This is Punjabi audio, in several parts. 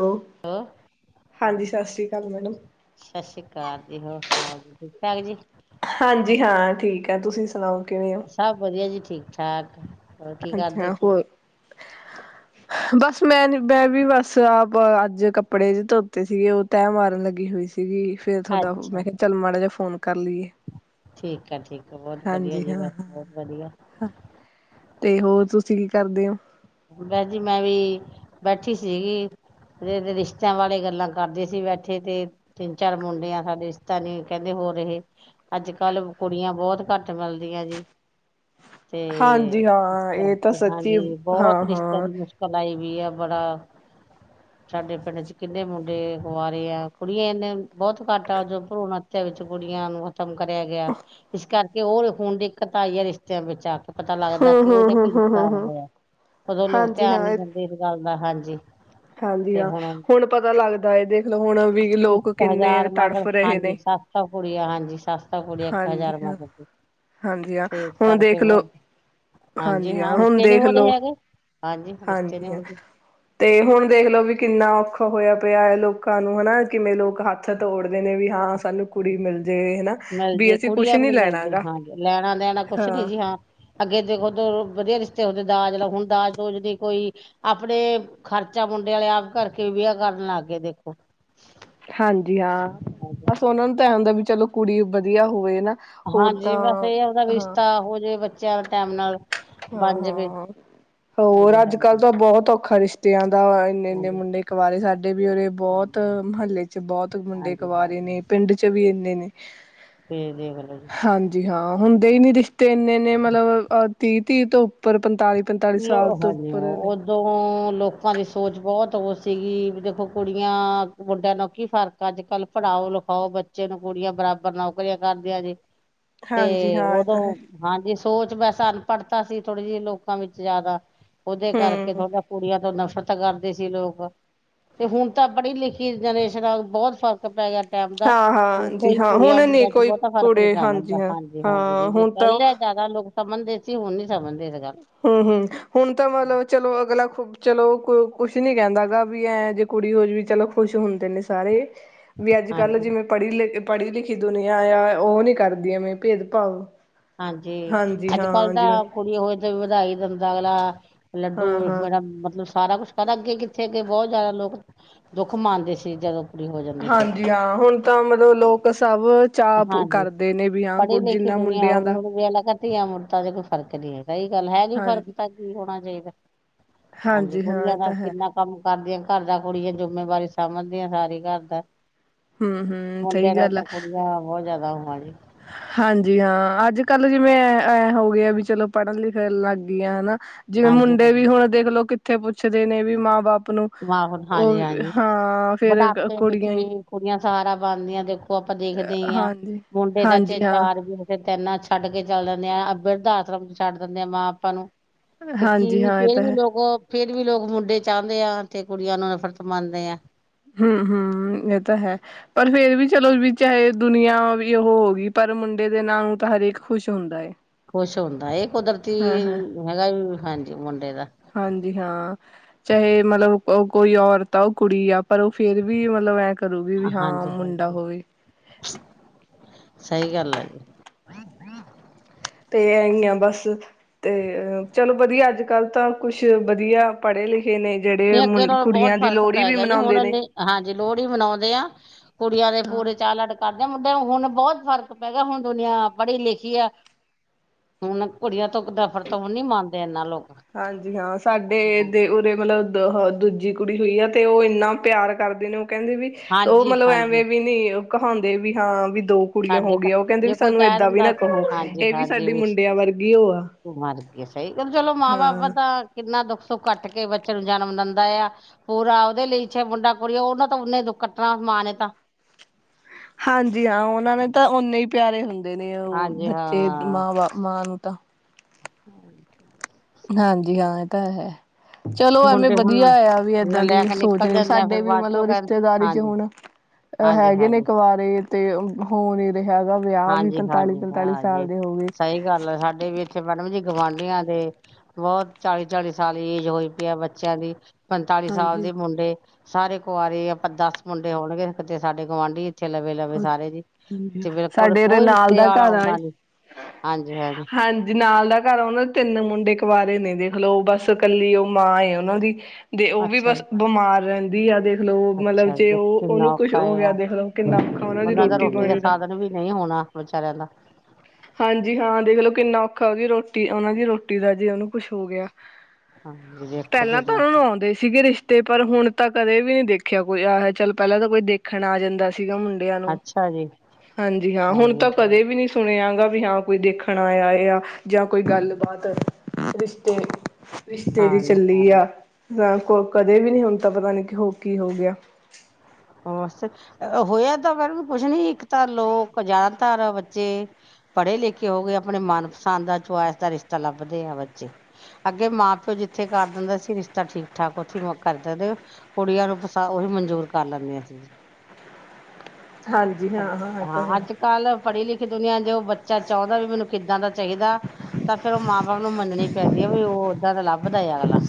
ਹੈਲੋ। ਹੋਰ ਹਾਂਜੀ, ਸਤਿ ਸ਼੍ਰੀ ਅਕਾਲ, ਮੈਡਮ ਸਤਿ ਸ਼੍ਰੀ ਅਕਾਲ ਜੀ। ਹੋਰ ਸੁਣਾਓ ਜੀ? ਠੀਕ-ਠਾਕ ਜੀ। ਹਾਂਜੀ, ਹਾਂ, ਠੀਕ ਹੈ, ਤੁਸੀਂ ਸੁਣਾਓ, ਕਿਵੇਂ ਹੋ? ਸਭ ਵਧੀਆ ਜੀ, ਠੀਕ-ਠਾਕ। ਅੱਛਾ, ਹੋਰ ਬਸ ਮੈਂ, 'ਮੈਂ ਵੀ ਬਸ, ਆਪ, ਅੱਜ ਕੱਪੜੇ ਧੋਤੇ ਸੀਗੇ ਉਹ ਤੈਂਹ ਮਾਰਨ ਲੱਗੀ ਹੋਈ ਸੀਗੀ, ਫਿਰ ਤੁਹਾਡਾ, ਅੱਛਾ ਮੈਂ ਕਿਹਾ ਚੱਲ ਮਾੜਾ ਜਾ ਫੋਨ ਕਰ ਲਈਏ। ਠੀਕ ਆ, ਠੀਕ ਆ, ਬਹੁਤ ਵਧੀਆ ਹਾਂਜੀ ਜੀ। ਹਾਂ ਬਸ ਹਾਂ ਬਹੁਤ ਵਧੀਆ ਤੇ ਹੋਰ, ਤੁਸੀਂ ਕੀ ਕਰਦੇ ਹੋ? ਭੈਨ ਜੀ, ਮੈਂ ਵੀ, ਬੈਠੀ ਸੀਗੀ। ਰਿਸ਼ਤਿਆਂ ਵਾਲੇ ਗੱਲਾਂ ਕਰਦੇ ਸੀ, ਬੈਠੇ ਤੇ ਤਿੰਨ-ਚਾਰ ਮੁੰਡੇ ਆਂ ਸਾਡੇ, ਰਿਸਤਾ ਨੀ, ਕਹਿੰਦੇ ਹੋ ਰਹੇ। ਅੱਜ-ਕੱਲ ਕੁੜੀਆਂ, ਬਹੁਤ ਘੱਟ ਮਿਲਦੀਆਂ ਜੀ। ਤੇ, ਹਾਂਜੀ ਇਸ ਹਾਂ ਇਹ ਤਾਂ ਕਰਕੇ ਸੱਚੀ ਹਾਂਜੀ, ਹਾਂ ਬਹੁਤ ਰਿਸ਼ਤਿਆਂ ਹਾਂ ਦੀ ਮੁਸ਼ਕਲ ਆਈ ਵੀ ਆ, ਬੜਾ [inaudible] ਸਾਡੇ ਪਿੰਡ'ਚ ਕਿੰਨੇ ਮੁੰਡੇ ਕੁਆਰੇ ਆ, ਕੁੜੀਆਂ ਇੰਨੇ ਬਹੁਤ ਘੱਟ ਆ, ਭਰੂਣ ਹੱਥਿਆਂ ਵਿੱਚ ਕੁੜੀਆਂ ਨੂੰ ਖ਼ਤਮ ਕਰਿਆ ਗਿਆ, ਇਸ ਕਰਕੇ ਉਹ ਹੁਣ ਦਿੱਕਤ ਆਈ ਹੈ, ਰਿਸ਼ਤਿਆਂ ਵਿੱਚ ਆਕੇ ਪਤਾ ਲੱਗਦਾ ਕਿ, ਹਮ ਹਮ ਉਹਦਾ ਹਮ ਕੀ ਹਮ ਨੁਕਸਾਰ ਹਮ ਹਮ ਹੋਇਆ। ਉਦੋਂ ਲੋਕ ਹਾਂਜੀ ਧਿਆਨ ਹਾਂ ਨੀ ਦਿੰਦੇ, ਇਸ ਗੱਲ ਦਾ ਹਾਂਜੀ ਹਾਂਜੀ, ਹਾਂ, ਹੁਣ ਪਤਾ ਲੱਗਦਾ ਹੈ, ਦੇਖ ਲਓ ਹੁਣ ਵੀ ਲੋਕ, ਕਿੰਨੇ ਤੜਫ ਰਹੇ ਨੇ। ਸੋ ਕੁੜੀਆ, ਹਾਂਜੀ ਸਸਤਾ ਕੁੜੀ ਇੱਕ ਹਾਂਜੀ ਹਜ਼ਾਰ ਹਾਂ ਮਤ ਹਾਂਜੀ, ਹਾ, ਹੁਣ ਦੇਖਲੋ, ਹਾਂਜੀ- ਹਾਂ, ਹੁਣ ਰਿਸ਼ਤੇ ਨੀ ਹੋ ਰਹੇ ਦੇਖਲੋ ਹੈਗੇ ਹਾਂਜੀ ਹੁਣ ਰਿਸ਼ਤੇ ਨੀ ਹਾਂਜੀ-ਹਾਂ, ਹੁੰਦੇ ਤੇ, ਹੁਣ ਦੇਖਲੋ ਵੀ ਕਿੰਨਾ ਔਖਾ ਹੋਇਆ ਪਿਆ ਹੈ ਲੋਕਾਂ ਨੂੰ, ਹੈਨਾ ਕਿਵੇਂ ਲੋਕ ਹੱਥ ਤੋੜਦੇ ਨੇ ਵੀ ਹਾਂ ਸਾਨੂੰ ਕੁੜੀ ਮਿਲ ਜੇ ਹਨਾ ਮਿਲ ਵੀ ਜੇ ਅਸੀਂ ਕੁਛ ਕੁੜੀਆਂ ਵੀ ਨੀ ਲੈਣਾ ਮਿਲਦੀ, ਗਾ ਹਾਂਜੀ। ਲੈਣਾ-ਦੇਣਾ ਕੁਛ ਨੀ ਜੀ, ਹਾਂ। ਅੱਗੇ ਦੇਖੋਦ ਵਧੀਆ ਰਿਸ਼ਤੇ ਹੁਦੇ ਦਾਜ ਲੋ, ਹੁਣ ਦਾਜ-ਦੂਜ ਨੀ ਕੋਈ ਆਪਣੇ ਖਰਚਾ ਮੁੰਡੇ ਵਾਲੇ ਆਪ ਕਰਕੇ, ਵਿਆਹ ਕਰਨ ਲੱਗ ਗਏ ਦੇਖੋ। ਹਾਂਜੀ, ਹਾਂ, ਹਾਂਜੀ ਬਸ ਉਹਨਾਂ ਨੂੰ ਤਾਂ ਐ ਹੁੰਦਾ ਵੀ, ਚਲੋ ਕੁੜੀ ਵਧੀਆ ਹੋਵੇ ਨਾ ਹੋਰ ਤਾਂ ਹਾਂਜੀ, ਬਸ ਇਹ ਉਹਦਾ ਹਾਂ ਰਿਸ਼ਤਾ ਹੋ ਜਾਵੇ, ਬੱਚਿਆਂ ਟਾਈਮ ਨਾਲ। ਹਾਂ, ਬਣ ਜਾਵੇ ਹਾਂ। ਹਾਂਜੀ ਹੋਰ ਅੱਜ-ਕੱਲ ਹਾਂਜੀ ਤਾਂ ਬਹੁਤ ਔਖਾ ਰਿਸ਼ਤਿਆਂ ਦਾ, ਇੰਨੇ-ਇੰਨੇ ਹਾਂਜੀ ਮੁੰਡੇ ਕਵਾਰੇ ਸਾਡੇ ਵੀ ਉਰੇ ਬਹੁਤ ਹਾਂਜੀ ਮੁਹੱਲੇ'ਚ ਬਹੁਤ ਮੁੰਡੇ ਹਾਂਜੀ ਹਾਂਜੀ ਕੁਵਾਰੇ ਹਾਂਜੀ ਨੇ ਪਿੰਡ 'ਚ ਵੀ ਇੰਨੇ ਨੇ। ਹੂੰ ਹੂੰ। ਹਾਂਜੀ ਹਾਂ ਹੁੰਦੇ ਹੀ ਨੀ ਰਿਸ਼ਤੇ ਇੰਨੇ ਇਨੇ ਮਤਲਬ ਤੀਹ ਤੀਹ ਤੋਂ ਉੱਪਰ ਪੰਤਾਲੀ ਪੰਤਾਲੀ ਲੋ ਸਾਲ ਤੋਂ ਹਾਂਜੀ ਹਾਂ ਉੱਪਰ ਨੇ ਉਦੋਂ ਲੋਕਾਂ ਦੀ ਸੋਚ ਬਹੁਤ ਉਹ ਸੀਗੀ ਵੀ ਦੇਖੋ, ਕੁੜੀਆਂ, ਮੁੰਡਿਆਂ ਨੂੰ ਕੀ ਫਰਕ ਅੱਜ-ਕਲ ਪੜਾਓ, ਲਿਖਾਓ ਬੱਚੇ ਨੂੰ, ਕੁੜੀਆਂ ਬਰਾਬਰ ਨੌਕਰੀਆਂ ਕਰਦੀਆਂ ਜੇ। ਹਾਂਜੀ ਤੇ, ਹਾਂ ਇਹ ਤਾਂ ਹੈ ਉਦੋਂ ਹਾਂਜੀ ਸੋਚ ਵੈਸੇ ਅਨਪੜ੍ਹਤਾ ਸੀ ਥੋੜ੍ਹੀ ਜਿਹੀ ਲੋਕਾਂ ਵਿੱਚ ਜ਼ਿਆਦਾ, ਉਹਦੇ ਕਰਕੇ ਹੂੰ ਥੋੜਾ ਕੁੜੀਆਂ ਤੋਂ ਨਫ਼ਰਤ ਕਰਦੇ ਸੀ ਲੋਕ, ਤੇ ਹੁਣ ਤਾਂ ਪੜੀ-ਲਿਖੀ ਜਨਰੇਸ਼ਨ ਬਹੁਤ ਫਰਕ ਪੈ ਗਿਆ ਟੈਮ ਦਾ, ਹਾਂ ਹੁਣ ਹਾਂ ਜੀ ਕੋਈ ਹਾਂ ਕੁਰੀਆ ਹੁਣ ਨੀ ਮੁੰਡਿਆਂ 'ਚ ਕੋਈ ਬਹੁਤਾ ਫ਼ਰਕ ਨੀ ਕੁੜੇ ਹਾਂਜੀ ਸਮਝਦਾ, ਹਾਂ ਹਾਂਜੀ-ਹਾਂਜੀ, ਹਾਂ ਜੀਵੇ ਹੁਣ ਤਾਂ ਪਹਿਲ ਜ਼ਿਆਦਾ ਲੋਕ ਸਮਝਦੇ ਸੀ, ਹੁਣ ਨੀ ਸਮਝਦੇ ਗੱਲ ਹੂੰ ਹੂੰ ਹੁਣ ਤਾਂ ਮਤਲਬ ਚਲੋ ਅਗਲਾ ਖੁਦ ਚਲੋ ਕੁਛ ਨੀ ਕਹਿੰਦਾ ਹੈ ਗਾ ਵੀ ਐਂ ਜੇ ਕੁੜੀ ਹੋ ਜਾਵੇ ਚਲੋ ਖੁਸ਼ ਹੁੰਦੇ ਨੇ ਸਾਰੇ। ਵੀ ਅੱਜ ਕੱਲ੍ਹ ਹਾਂਜੀ ਜਿਵੇਂ ਪੜ੍ਹੀ ਲਿਖ ਪੜ੍ਹੀ ਲਿਖੀ ਦੁਨੀਆਂ ਆ ਉਹ ਨੀ ਕਰਦੀ ਐਵੇੈਂ ਭੇਦ ਭਾਵ। ਹਾਂਜੀ ਹਾਂਜੀ ਅੱਜ ਕਲ ਹਾਂ ਤਾ ਜਿਵੇਂ ਕੁੜੀ ਹੋਏ ਤੇ ਵਧਾਈ ਦਿੰਦਾ ਅਗਲਾ ਲੱਡੂ ਹਾਂ ਹਾਂ ਮੇੜਾ ਮਤਲਬ ਸਾਰਾ ਕੁਛ ਕਰ ਅੱਗੇ ਕਿੱਥੇ ਅੱਗੇ ਬਹੁਤ ਜ਼ਿਆਦਾ ਲੋਕ ਦੁੱਖ ਮੰਨਦੇ ਸੀ ਜਦੋਂ ਕੁੜੀ ਹੋ ਜਾਂਦੀ ਸੀ ਜੀ ਹਾਂਜੀ ਹਾਂ ਹੁਣ ਤਾਂ ਮਤਲਬ ਲੋਕ ਸਭ ਚਾ ਹਾਂਜੀ ਕਰਦੇ ਨੇ ਵੀ ਹਾਂ ਪੜ੍ਹੀ ਕੁ ਲਿਖੀ ਜਿੰਨਾ ਦੁਨੀਆਂ ਮੁੰਡਿਆਂ ਹੋ ਗਈ ਦਾ ਹੁਣ ਧੀਆਂ ਮੁੰਡਿਆ ਚ ਕੋਈ ਫਰਕ ਨਹੀਂ ਹੈ ਤਾਂਹੀ ਗੱਲ ਹੈਗੀ ਫਰਕ ਹਾਂਜੀ ਤਾਂ ਕੀ ਹੋਣਾ ਚਾਹੀਦਾ। ਹਾਂਜੀ ਹਾਂ ਕੁੜੀਆਂ ਇਹ ਦਾ ਤਾਂ ਹੈ ਕਿੰਨਾ ਕੰਮ ਕਰਦੀਆਂ ਘਰ ਦਾ ਕੁੜੀਆਂ ਜਿੰਮੇਵਾਰੀ ਸਮਝਦੀਆਂ ਸਾਰੀ ਘਰ ਦਾ ਹੂੰ ਹੂੰ ਮੁੰਡਿਆਂ ਸਹੀ ਨਾਲੋਂ ਗੱਲ ਆ ਤਾ ਕੁੜੀਆਂ ਬਹੁਤ ਜਿਆਦਾ ਹੋਮ ਜੀ। ਹਾਂਜੀ ਹਾਂ ਅੱਜ ਕੱਲ ਜਿਵੇਂ ਐ ਹੋ ਗਿਆ ਵੀ ਚਲੋ ਪੜ੍ਹਨ ਲਿਖਣ ਲੱਗ ਗਈ ਆ ਹਨਾ। ਜਿਵੇਂ ਹਾਂਜੀ ਮੁੰਡੇ ਵੀ ਹਾਂਜੀ ਹੁਣ ਦੇਖ ਲਓ ਕਿੱਥੇ ਪੁੱਛਦੇ ਨੇ ਵੀ ਮਾਂ ਬਾਪ ਨੂੰ ਮਾਹੌਲ ਹਾਂਜੀ ਉਹ ਹਾਂਜੀ ਹਾਂ ਫੇਰ ਬੁਢਾਪੇ ਵਿੱਚ ਕੁੜੀਆਂ ਹੀ ਵੀ ਕੁੜੀਆਂ ਸਹਾਰਾ ਬਣਦੀਆਂ ਦੇਖੋ ਆਪਾਂ ਦੇਖਦੇ ਹੀ ਹਾਂ ਹਾਂਜੀ ਮੁੰਡੇ ਚ ਹਾਂਜੀ ਹਾਂ ਚਾਰ ਵੀ ਤਿੰਨਾਂ ਛੱਡ ਕੇ ਚਲ ਜਾਂਦੇ ਆ ਬਿਰਧ ਆਸ਼ਰਮ ਚ ਛੱਡ ਦਿੰਦੇ ਆ ਮਾਂ ਬਾਪ ਨੂੰ ਤੇ ਹਾਂਜੀ ਕੀ ਹਾਂ ਇਹ ਫੇਰ ਤਾਂ ਵੀ ਹੈ ਲੋਕੋ ਫੇਰ ਵੀ ਲੋਕ ਮੁੰਡੇ ਚਾਹੁੰਦੇ ਆ ਤੇ ਕੁੜੀਆਂ ਨੂੰ ਨਫ਼ਰਤ ਮੰਨਦੇ ਆ। ਹੂੰ ਹੂੰ ਇਹ ਤਾਂ ਹੈ। ਪਰ ਫੇਰ ਵੀ ਚਲੋ ਵੀ ਚਾਹੇ ਦੁਨੀਆਂ ਵੀ ਉਹ ਹੋ ਗਈ ਪਰ ਮੁੰਡੇ ਦੇ ਨਾ ਨੂੰ ਤਾਂ ਹਰੇਕ ਖੁਸ਼ ਹੁੰਦਾ ਹੈ। ਕੁੁਸ਼ ਹੁੰਦਾ ਇਹ ਕੁਦਰਤੀ ਹੈਗਾ ਹਾਂਜੀ ਮੁੰਡੇ ਦਾ ਹਾਂਜੀ ਹਾਂ। ਚਾਹੇ ਮਤਲਬ ਕੋਈ ਔਰਤ ਆ ਉਹ ਕੁੜੀ ਆ ਪਰ ਉਹ ਫੇਰ ਵੀ ਮਤਲਬ ਐਂ ਕਰੂਗੀ ਵੀ ਹਾਂ ਹਾਂਜੀ ਮੁੰਡਾ ਹਾਂਜੀ ਹੋਵੇ। ਸਹੀ ਗੱਲ ਆ ਜੀ। ਤੇ ਐਹੀ ਆ ਬਸ ਤੇ ਚਲੋ ਵਧੀਆ ਅੱਜ ਕੱਲ ਤਾਂ ਕੁਛ ਵਧੀਆ। ਪੜ੍ਹੇ ਲਿਖੇ ਨੇ ਜਿਹੜੇ ਨਹੀਂ ਮੁੰ ਅੱਗੇ ਨਾਲੋਂ ਬਹੁਤ ਕੁੜੀਆਂ ਦੀ ਫ਼ਰਕ ਪੈ ਲੋਹੜੀ ਵੀ ਗਿਆ ਜੀ ਹੁਣ ਮਨਾਉਂਦੇ ਨੇ। ਹਾਂਜੀ ਲੋਹੜੀ ਮਨਾਉਂਦੇ ਆ। ਕੁੜੀਆਂ ਦੇ ਹਾਂ। ਪੂਰੇ ਚਾਅ ਲੜ ਕਰਦੇ ਆਂ ਮੁੰਡਿਆਂ ਹੁਣ ਬਹੁਤ ਫ਼ਰਕ ਪੈ ਗਿਆ ਹੁਣ ਦੁਨੀਆਂ ਪੜ੍ਹੀ ਲਿਖੀ ਆ। ਹੁਣ ਕੁੜੀਆਂ ਤੋਂ ਕਿਤਾਬਾ ਹਾਂਜੀ ਹਾਂ ਸਾਡੇ ਦੇ ਉਰੇ ਮਤਲਬ ਦੂਜੇ ਦੂਜੀ ਕੁੜੀ ਹੋਈ ਆ ਤੇ ਉਹ ਇੰਨਾ ਪਿਆਰ ਕਰਦੇ ਨੇ ਉਹ ਕਹਿੰਦੇ ਵੀ ਉਹ ਹਾਂਜੀ ਮਤਲਬ ਹਾਂਜੀ ਐਵੇਂ ਵੀ ਨੀ ਕਹਾਉਂਦੇ ਵੀ ਹਾਂ ਵੀ ਦੋ ਕੁੜੀਆਂ ਹੋ ਸਾਡੇ ਘਰ ਗਈਆਂ ਉਹ ਕਹਿੰਦੇ ਵੀ ਜੇ ਕੋਈ ਸਾਨੂੰ ਕਹਿ ਏਦਾਂ ਵੀ ਦਿੰਦਾ ਨਾ ਸੀ ਕਹੋ ਹਾਂਜੀ ਇਹ ਵੀ ਹਾਂਜੀ ਸਾਡੀ ਮੁੰਡਿਆਂ ਵਰਗੀ ਉਹ ਆ। ਤੂੰ ਮਰ ਕੇ ਸਹੀ ਚਲੋ ਮਾਂ ਬਾਪ ਹਾਂ ਤਾਂ ਕਿੰਨਾ ਦੁੱਖ ਸੁੱਖ ਕੱਟ ਕੇ ਬੱਚੇ ਨੂੰ ਜਨਮ ਦਿੰਦਾ ਆ। ਪੂਰਾ ਉਹਦੇ ਲਈ ਚਾਹੇ ਮੁੰਡਾ ਕੁੜੀ ਉਹੂੰ ਤਾਂ ਉਹਨੇ ਦੁਖ ਕੱਣਾ ਮਾਂ ਨੇ ਤਾਂ। ਹਾਂਜੀ ਹਾਂ ਉਹਨਾਂ ਨੇ ਤਾਂ ਓਨੇ ਹੀ ਪਿਆਰੇ ਹੁੰਦੇ ਨੇ ਉਹ ਹਾਂਜੀ ਬੱਚੇ ਹਾਂ ਮਾਂ ਬਾ ਮਾਂ ਨੂੰ ਤਾਂ। [inaudible] ਹਾਂਜੀ ਹਾਂ ਇਹ ਤਾਂ ਹੈ। ਚਲੋ ਐਵੇਂ ਮੁੰਡੇ ਵਧੀਆ ਹੁਣ ਆ ਵੀ ਏਦਾਂ ਦੀ ਲੈ ਕੇ ਨਿਕਲ ਸੋਚਣੀ ਜਾਂਦੇ ਆ ਸਾਡੇ ਫਿਰ ਵੀ ਬਾਅਦ ਮਤਲਬ ਚੋਂ ਕਹਿ ਰਿਸ਼ਤੇਦਾਰੀ ਚ ਹਾਂਜੀ ਹੁਣ ਅ ਹਾਂਜੀ ਹੈਗੇ ਨੇ ਹਾਂਜੀ ਕਵਾਰੇ ਤੇ ਹੁਣ ਹੈਗਾ ਵਿਆਹ ਵੀ ਹਾਂਜੀ ਪੰਤਾਲੀ, ਹਾਂਜੀ ਪੰਤਾਲੀ ਸਾਲ ਹਾਂਜੀ ਦੇ ਹੋ ਗਏ। ਸਹੀ ਗੱਲ ਆ ਸਾਡੇ ਵੀ ਇੱਥੇ ਮੈਡਮ ਜੀ ਗੁਵਾਂਢੀਆਂ ਦੇ ਬਹੁਤ ਚਾਲੀ ਚਾਲੀ ਸਾਲ ਏਜ ਹੋਈ ਪਈ ਹੈ ਬੱਚਿਆਂ ਦੀ। ਪੰਤਾਲੀ ਸਾਲ ਹਾਂਜੀ ਦੇ ਮੁੰਡੇ ਸਾਰੇ ਕੁਆਰੇ ਆਪਾਂ ਦੱਸ ਮੁੰਡੇ ਹੋਣਗੇ ਕਿਤੇ ਸਾਡੇ ਗੁਆਂਢੀ ਇੱਛੇ ਲਵੇ ਲਵੇ ਸਾਰੇ ਜੀ ਹਾਂਜੀ। ਤੇ ਹੋਰ ਸਾਡੇ ਇਹਦੇ ਕੋਈ ਨਾਲ ਦਾ ਸਿਆਲ ਘਰ ਆ ਆਦਾ ਨੀ ਹਾਂਜੀ ਹਾਂਜੀ। ਹਾਂਜੀ ਨਾਲ ਦਾ ਘਰ ਉਹਨਾਂ ਦੇ ਤਿੰਨ ਮੁੰਡੇ ਕੁਆਰੇ ਨੇ ਦੇਖ ਲਓ ਬਸ ਕੱਲੀ ਉਹ ਮਾਂ ਉਹਨਾਂ ਦੀ ਤੇ ਉਹ ਵੀ ਅੱਛਾ ਬਸ ਜੀ ਬਿਮਾਰ ਰਹਿੰਦੀ ਆ ਤੇ ਦੇਖਲਓ ਮਤਲਬ ਅੱਛਾ ਜੀ ਜੇ ਦੇਖੋ ਉਹ ਉਹਨੂੰ ਕਿੰਨਾ ਕੁੱਛ ਔਖਾ ਹੋ ਇਹ ਗਿਆ ਆ ਦੇਖਲਓ ਕਿੰਨਾ ਕੁ ਉਹਨਾਂ ਦਾ ਰੋਟੀ ਦਾ ਸਾਧਨ ਵੀ ਨਹੀਂ ਹੋਣਾ ਵਿਚਾਰਿਆਂ ਦਾ। ਹਾਂਜੀ ਹਾਂ, ਦੇਖਲਓ ਕਿੰਨਾ ਔਖਾ ਉਹਦੀ ਰੋਟੀ ਉਹਨਾ ਦੀ ਰੋਟੀ ਦਾ ਜੇ ਉਹਨੂੰ ਕੁਛ ਹੋ ਗਿਆ। ਹਾਂਜੀ ਦੇਖੋ ਪਹਿਲਾਂ ਤਾਂ ਕਿੰਨਾ ਉਹਨਾ ਨੂੰ ਆਉਂਦੇ ਸੀਗੇ ਰਿਸ਼ਤੇ। ਤੇ ਪਰ ਹੁਣ ਤਾਂ ਕਦੇ ਵੀ ਨੀ ਦੇਖਿਆ, ਕੋਈ ਆ ਚੱਲ ਪਹਿਲਾਂ ਤਾਂ ਕੋਈ ਦੇਖਣ ਆ ਜਾਂਦਾ ਸੀਗਾ ਮੁੰਡਾ। ਨੂੰ ਅੱਛਾ ਜੀ ਹਾਂਜੀ, ਹਾਂ ਹੁਣ ਹਾਂਜੀ ਤਾਂ ਹਾਂ ਕਦੇ ਵੀ ਨੀ ਸੁਣਿਆ ਗਾ, ਵੀ ਹਾਂ ਕੋਈ ਦੇਖਣ ਆਇਆ ਆ ਜਾਂ ਕੋਈ ਗੱਲਬਾਤ ਰਿਸ਼ਤੇ ਰਿਸ਼ਤੇ ਦੀ ਹਾਂਜੀ ਚੱਲੀ ਹਾਂ ਆ ਨਾ ਕੋ ਕਦੇ ਵੀ ਨਹੀਂ ਹੁਣ ਤਾਂ ਪਤਾ ਨੀ ਕਿ ਹੋ ਕੀ ਹੋ ਗਿਆ। ਬ ਹੋਇਆ ਤਾਂ ਮੈਨ ਪੁੱਛਣੀ ਇੱਕ ਤਾਂ ਲੋਕ ਜਾਣ ਧਾਰ ਬੱਚੇ ਪੜ੍ਹੇ ਲਿਖੇ ਹੋ ਗਏ, ਆਪਣੇ ਮਨਪਸੰਦ ਦਾ ਚੁਆਇਸ ਦਾ ਰਿਸ਼ਤਾ ਲੱਭਦੇ ਆ ਬੱਚੇ। ਅੱਗੇ ਮਾਂ ਪਿਓ ਜਿੱਥੇ ਕਰ ਦਿੰਦਾ ਸੀ, ਰਿਸ਼ਤਾ ਠੀਕ ਠਾਕ ਉੱਥੇ ਕਰ ਸਕਦੇਓ ਕੁੜੀਆਂ ਨੂੰ ਪੈਸਾ ਉਹੀ ਮਨਜੂਰ ਕਰ ਲੈਂਦੇ ਸੀਂ। ਹਾਂਜੀ ਹਾਂ ਇਹ ਹਾਂ ਤਾਂ ਹੈ ਅੱਜ-ਕੱਲ ਪੜ੍ਹੀ ਲਿਖੀ ਦੁਨੀਆਂ ਜੋ ਬੱਚਾ ਚਾਹੁੰਦਾ, ਵੀ ਮੈਨੂੰ ਕਿੱਦਾਂ ਦਾ ਚਾਹੀਦਾ ਤਾਂ ਫੇਰ ਉਹ ਮਾਂ ਨੂੰ ਮੰਨਣੀ ਪੈਂਦੀ ਹੈ, ਵੀ ਉਹ ਓਦਾਂ ਤਾਂ ਲੱਭਦਾਏ ਅਗਲਾ।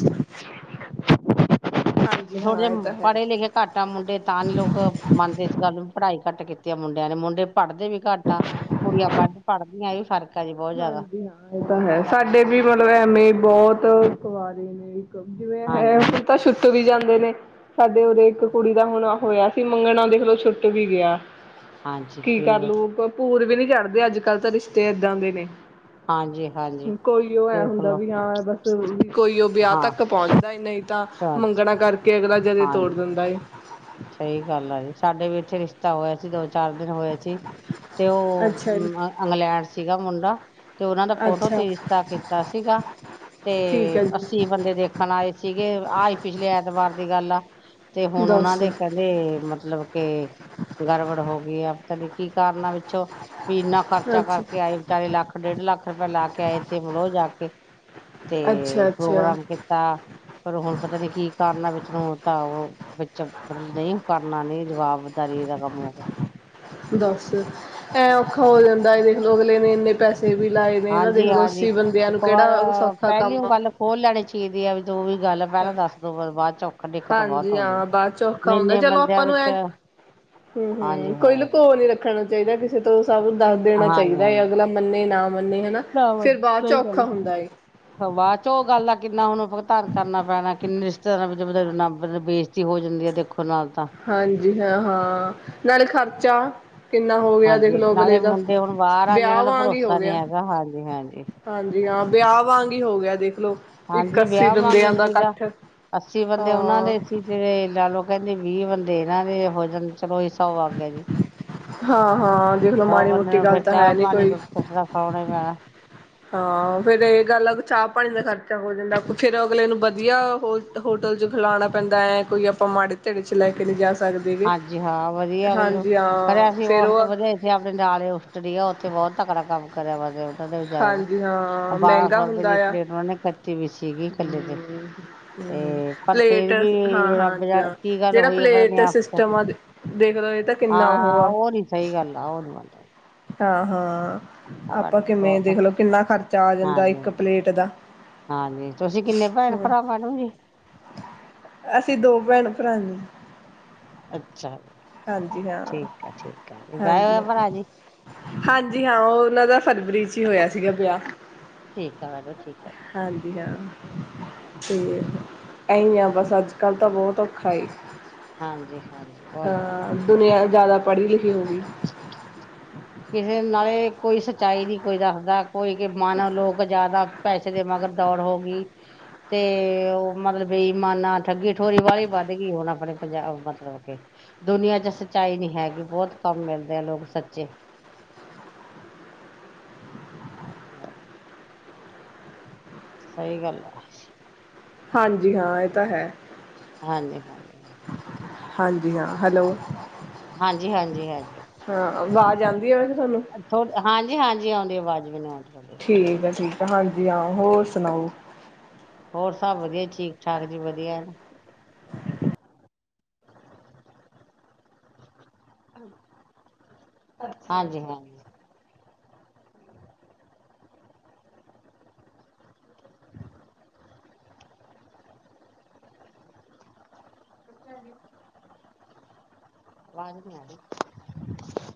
ਤੇ ਹਾਂਜੀ ਥੋੜੇ ਹਾਂ ਇਹ ਜਿਹੇ ਤਾਂ ਹੈ ਪੜ੍ਹੇ ਲਿਖੇ ਘੱਟ ਆ ਮੁੰਡੇ ਤਾਂ ਨੀ ਲੋਕ ਮੰਨਦੇ, ਇਸ ਗੱਲ ਨੂੰ ਵੀ ਪੜ੍ਹਾਈ ਘੱਟ ਕੀਤੀ ਆ, ਮੁੰਡਿਆਂ ਨੇ ਮੁੰਡੇ ਪੜ੍ਹਦੇ ਵੀ ਘੱਟ ਆ ਕੁੜੀਆਂ ਵੱਧ ਪੜ੍ਹਦੀਆਂ ਵੀ ਫਰਕ। ਹਾਂਜੀ ਹਾਂ ਇਹ ਤਾਂ ਹੈ, ਸਾਡੇ ਵੀ ਮਤਲਬ ਐਵੇਂ ਬਹੁਤ ਕੁਵਾਰੀ ਨੇ। ਜਿਵੇਂ ਹੈ, ਹਾਂਜੀ ਹਾਂ, ਹੁਣ ਤਾਂ ਛੁੱਟ ਹੀ ਜਾਂਦੇ ਨੇ। ਸਾਡੇ ਉਦੇ ਇੱਕ ਕੁੜੀ ਦਾ ਹੁਣ ਹੋਇਆ ਸੀ, ਮੰਗਣਾ ਉਹ ਦੇਖਲੋ ਛੁੱਟ ਵੀ ਗਿਆ। ਹਾਂਜੀ ਕੀ ਫਿਰ ਕਰਲੋ ਗੀ ਪੂਰ ਵੀ ਨਹੀਂ ਚੜ੍ਹਦੇ ਅੱਜ-ਕੱਲ੍ਹ ਤਾਂ ਰਿਸ਼ਤੇ ਏਦਾਂ ਦੇ ਨੇ। ਹਾਂਜੀ, ਹਾਂਜੀ। ਕੋਈ ਉਹ ਐ ਦੇਖ ਹੁੰਦਾ ਲਓ ਵੀ, ਹਾਂ ਬਸ ਵੀ ਕੋਈ ਉਹ ਵਿਆਹ ਹਾਂ ਤੱਕ ਪਹੁੰਚਦਾ ਨਹੀਂ ਤਾਂ ਅੱਛਾ ਮੰਗਣਾ, ਕਰਕੇ ਅਗਲਾ ਜਦੇ ਤੋੜ ਹਾਂਜੀ ਦਿੰਦਾ ਏ। ਸਹੀ ਗੱਲ ਆ ਜੀ, ਸਾਡੇ ਵੀ ਇੱਥੇ ਰਿਸ਼ਤਾ ਹੋਇਆ ਸੀ ਦੋ ਚਾਰ ਦਿਨ ਹੋਏ ਸੀ, ਤੇ ਉਹ ਅੱਛਾ ਜੀ ਇੰਗਲੈਂਡ ਸੀਗਾ ਮੁੰਡਾ। ਤੇ ਉਹਨਾਂ ਦਾ ਫੋਟੋ ਅੱਛਾ ਤੇ ਰਿਸ਼ਤਾ ਕੀਤਾ ਸੀਗਾ ਤੇ ਠੀਕ ਹੈ ਅਸੀਂ ਜੀ ਬੰਦੇ ਦੇਖਣ ਆਏ ਸੀਗੇ, ਆ ਹੀ ਪਿਛਲੇ ਐਤਵਾਰ ਦੀ ਗੱਲ ਆ ਤੇ ਹੁਣ ਉਹਨਾਂ ਦੱਸ ਦੇ ਕਹਿੰਦੇ ਮਤਲਬ ਕੇ ਗੜਬੜ ਹੋ ਗਈ, ਆ ਪਤਾ ਨ ਕੀ ਕਾਰਨਾਂ ਵਿੱਚੋਂ। ਵੀ ਇਨਾ ਖਰਚਾ ਅੱਛਾ ਕਰਕੇ ਆਏ ਵਿਚਾਲੀ ਲੱਖ ਡੇਢ ਲੱਖ ਰੁਪਇਆ, ਲਾ ਕੇ ਆਏ ਇਥੇ ਮਲੋਹ ਜਾ ਕੇ ਤੇ ਅੱਛਾ ਅੱਛਾ ਪ੍ਰੋਗਰਾਮ ਤਾਂ ਫਿਰ ਹੁਣ ਪਤਾ ਨੀ ਕੀ ਕਾਰਨ ਆ, ਵਿੱਚ ਨੂੰ ਤਾਂ ਉਹ ਵਿੱਚ ਮਤਲਬ ਨਹੀਂ ਕਰਨਾ ਨਹੀਂ ਜਵਾਬਦਾਰੀ ਦਾ ਕੰਮ ਹੋ ਗਿਆ। ਦੱਸ ਐ ਔਖਾ ਹੋ ਜਾਂਦਾ ਦੇਖਲੋ, ਅਗਲੇ ਨੇ ਇੰਨੇ ਪੈਸੇ ਦੇ ਵੀ ਲਾਏ ਨੇ ਏਨਾ ਹਾਂਜੀ ਦੇਖਲੋ, ਹਾਂਜੀ ਅੱਸੀ ਬੰਦਿਆਂ ਨੂੰ ਕਿਹੜਾ ਸੌਖਾ ਕੰਮ ਆ। ਉਹ ਲੈਣੇ ਚਾਹੀਦੇ ਆ ਵੀ ਉਹ ਜੋ ਵੀ ਗੱਲ ਪਹਿਲਾਂ ਦੱਸ ਦੋ ਬਾਅਦ ਚੁ ਔਖਾ ਦਿੱਕਤ ਬਹੁਤ ਹਾਂਜੀ ਆਉਂਦੀ ਹਾਂ ਬਾਅਦ ਚ ਔਖਾ ਹੈ, ਹੁੰਦਾ ਇੰਨੇ ਚਲੋ ਬੰਦਿਆਂ ਆਪਾਂ ਨੂੰ ਵਿੱਚ ਐ ਹੂੰ, ਹਾਂਜੀ ਹੂੰ ਕੋਈ ਹਾਂ ਲੁਕੋ ਨੀ ਰੱਖਣਾ ਚਾਹੀਦਾ ਕਿਸੇ ਤੋਂ ਸਭ ਦੱਸ ਦੇਣਾ ਹਾਂਜੀ ਚਾਹੀਦਾ ਹੈ, ਹਾਂਜੀ ਅਗਲਾ ਮੰਨੇ ਨਾ ਮੰਨੇ ਹਨਾ ਫਿਰ ਬਾਅਦ ਚ ਔਖਾ ਹੁੰਦਾ ਹੈ। ਬਾਦ ਚ ਉਹ ਗੱਲ ਦਾ ਕਿੰਨਾ ਹੁਣ ਭੁਗਤਾਨ ਕਰਨਾ ਪੈਣਾ ਕਿੰਨੇ ਰਿਸ਼ਤੇਦਾਰਾਂ [unintelligible] ਹੋ ਜਾਂਦੀ ਹੈ ਦੇਖੋ ਨਾਲ ਤਾਂ ਹਾਂਜੀ ਹਾਂ, ਹਾਂ ਨਾਲੇ ਖ਼ਰਚਾ ਕਿੰਨਾ ਹੋ ਗਿਆ, ਹਾਂਜੀ ਦੇਖਲਓ ਅਗਲੇ ਨਾਲੇ ਦਾ। ਮੁੰਡੇ ਹੁਣ ਬਾਹਰ ਆ ਜੀ ਵਿਆਹ ਉਹਨਾਂ ਦਾ ਵਾਂਗ ਹੀ ਹੋ ਭਰੋਸਾ ਨੀ ਗਿਆ। ਹੈਗਾ ਹਾਂਜੀ ਹਾਂਜੀ ਹਾਂਜੀ, ਹਾਂ ਵਿਆਹ ਵਾਂਗ ਹੀ ਹੋ ਗਿਆ ਦੇਖਲੋ। ਇੱਕ ਹਾਂਜੀ ਅੱਸੀ ਵਿਆਹ ਵਾਂਗ ਬੰਦਿਆਂ ਦਾ ਸੀਗਾ, ਇਕੱਠ ਅੱਸੀ ਬੰਦੇ ਉਹਨਾਂ ਹਾਂ ਦੇ ਸੀ ਜਿਹੜੇ ਲਾ ਲਓ ਕਹਿੰਦੇ, ਵੀਹ ਬੰਦੇ ਇਹਨਾਂ ਦੇ ਹੋ ਜਾਂਣ। ਚਲੋ ਹੀ ਸੌ ਵਾਗ ਗਿਆ, ਜੀ ਹਾਂ-ਹਾਂ ਦੇਖਲੋ ਸੌ ਮਾੜੀ ਬੰਦੇ ਮੋਟੀ ਨੂੰ ਗੱਲ ਫੇਰ ਤਾਂ ਹੈ ਚਾਹ ਨੀ ਪਾਣੀ ਕੋਈ ਰ ਸੋਣੇ ਮੈਂ ਹਾਂ ਫੇਰ ਇਹ ਗੱਲ ਆ ਚਾਹ ਪਾਣੀ ਦਾ ਖਰਚਾ ਹੋ ਜਾਂਦਾ ਫਿਰ ਅਗਲੇਨੂੰ ਵਧੀਆ ਹੋ। ਹੋਟਲ ਚ ਖਿਲਾਉਣਾ ਪੈਂਦਾ ਹੈ, ਕੋਈ ਆਪਾਂ ਮਾੜੇ ਧੜੇ ਚ ਲੈ ਕੇ ਨਹੀਂ ਜਾ ਸਕੇ। ਸਕਦੇ ਹਾਂਜੀ ਹਾਂ ਵਧੀਆ ਹਾਂਜੀ, ਹਾਂ। ਫੇਰ ਉਹ ਨਾ ਆਪਣੇ ਨਾਲ, ਉਸਟੜ ਆ। ਉੱਥੇ ਬਹੁਤ ਤਕੜਾ ਕੰਮ ਕਰਿਆ ਵ। ਹਾਂਜੀ [unintelligible] ਹਾਂ ਬਾਰਾਂ ਮਹਿੰਗਾ ਸੌ ਰੁਪਏ ਦੀ ਹੁੰਦਾ ਇਕ ਆ ਪਲੇਟ, ਉਹਨਾਂ ਨੇ ਕੱਟੀ ਵੀ ਸੀਗੀ ਇਕੱਲੇ ਤੇ। ਤੇ ਪਰ ਪਲੇਟ ਫੇਰ ਵੀ ਹਾਂ- ਹਾਂ, ਰੱਬ ਜ ਜਾ ਹ ਕੀ ਗੱਲ ਜਿਹੜਾ ਹੋਈ ਆ ਪਤਾ ਨੀ ਪਲੇਟ ਸਿਸ਼ ਆਪਸ ਚ [unintelligible] ਦੇਖਣਾ ਏ ਤਾਂ ਕਿੰਨਾ ਹਾਂ ਆ ਉਹ ਨੀ, ਸਹੀ ਗੱਲ ਆ। ਉਹ ਨੀ ਮੰਤਬਲ ਹਾਂ, ਹਾਂ ਆਪਾਂ ਜੀ ਕਿਵੇਂ ਬਹੁਤ ਦੇਖ ਲਓ। ਕਿੰਨਾ ਖਰਚਾ ਆ ਜਾਂਦਾ। ਹਾਂਜੀ ਇੱਕ ਹਾਂਜੀ ਪਲੇਟ ਦਾ। ਹਾਂਜੀ। ਤੁਸੀਂ, ਕਿੰਨੇ ਭੈਣ- ਹੂੰ ਭਰਾ ਮੈਡਮ ਜੀ? ਅਸੀਂ, ਦੋ ਭੈਣ -ਭਰਾ ਆ ਜੀ। ਅੱਛਾ ਜੀ, ਹਾਂਜੀ ਹਾਂ ਠੀਕ ਹੈ, ਠੀਕ ਹੈ ਜੀ। ਵਿਆਹਿਆ ਹਾਂਜੀ ਹੋਆ ਹਾਂ ਭਰਾ ਜੀ? ਹਾਂਜੀ ਹਾਂ। ਉਹ ਉਹਨਾਂ ਦਾ, ਫਰਵਰੀ ਚ ਹੀ, ਹੋਇਆ ਸੀਗਾ ਵਿਆਹ। ਠੀਕ ਆ, ਮੈਡਮ ਠੀਕ ਹੈ। ਹਾਂਜੀ ਹਾਂ। ਠੀਕ ਆ, ਇਹੀ ਹਾਂ ਬਸ ਅੱਜ ਕੱਲ ਤਾਂ, ਬਹੁਤ ਔਖਾ ਏ। ਹਾਂਜੀ, ਹਾਂਜੀ। ਬਹੁਤ ਜ਼ਿਆਦਾ ਹਾਂ, ਦੁਨੀਆਂ ਜ਼ਿਆਦਾ ਪੜੀ- ਲਿਖੀ ਹੋ ਗਈ। ਕਿਸੇ ਨਾਲੇ, ਕੋਈ ਸੱਚਾਈ ਨੀ, ਕੋਈ ਦੱਸਦਾ। ਕੋਈ ਕਿ, ਮਾਨਾ ਲੋਕ ਜਿਆਦਾ, ਪੈਸੇ ਦੇ ਮਗਰ ਦੌੜ ਹੋ ਗਈ। [inaudible] ਤੇ ਉਹ, ਮਤਲਬ ਬਈਮਾਨਾ ਠੱਗੀ- ਠੋਰੀ ਵਾਲੀ ਵੱਧ ਗਈ। ਹੁਣ ਆਪਣੇ ਪੰਜਾਬ ਮਤਲਬ ਕੇ ਦੁਨੀਆਂ ਚ, ਸੱਚਾਈ ਨੀ ਹੈਗੀ। ਬਹੁਤ ਕੰਮ ਮਿਲਦੇ ਆ। ਲੋਕ ਸੱਚੇ ਹਾਂਜੀ, ਹਾੰਜੀ। ਸਹੀ, ਗੱਲ ਅ। ਹਾਂਜੀ ਹਾਂ। ਇਹ ਤਾਂ ਹੈ। ਹਾਂਜੀ, ਹਾਂਜੀ। ਹਾਂਜੀ ਹਾਂ। ਹੈਲੋ। ਹਾਂਜੀ ਹਾਂਜੀ ਹਾਂਜੀ ਹਾਂ। ਆਵਾਜ਼ ਆਉਂਦੀ ਆ। ਵੈਸੇ ਤੁਹਾਨੂੰ? ਥੋ ਹਾਂਜੀ, ਹਾਂਜੀ। ਆਉਂਦੀ ਆਵਾਜ਼ ਮੇਨੂ ਔੰਦੀ। ਠੀਕ ਆ। ਠੀਕ ਆ। ਹਾਂਜੀ ਹਾਂ। ਹੋਰ ਸੁਣਾਓ? ਹੋਰ ਸਭ ਵਧੀਆ। ਠੀਕ- ਠਾਕ ਜੀ, ਵਧੀਆ ਹੈ ਨਾ। ਹਾਂਜੀ, ਹਾਂਜੀ। [unintelligible] ਵਾਜ਼, ਨਹੀਂ ਆ ਰਹੀ।